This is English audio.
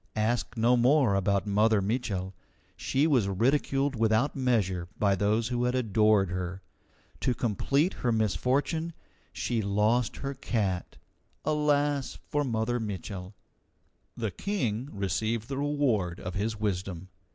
Ask no more about Mother Mitchel. She was ridiculed without measure by those who had adored her. To complete her misfortune, she lost her cat. Alas for Mother Mitchel! The King received the reward of his wisdom.